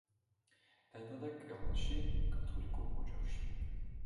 დაიბადა კელნში, კათოლიკურ ოჯახში.